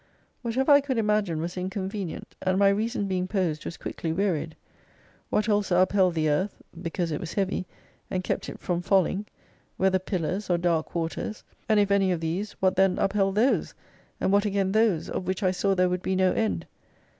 Whatever I could imagine was inconvenient, and my reason being posed was quickly wearied. What also upheld the Earth (because it was heavy) and kept it from falling; whether pillars, or dark waters? And if any of these, what then upheld those, and what again those, of which T saw there wotild be no end?